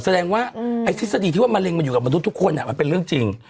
แสดงว่าไอ้ทฤษฎีที่ว่ามะเร็งมันอยู่กับมนุษย์ทุกคนมันเป็นเรื่องจริง